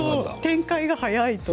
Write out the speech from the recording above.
展開が早い。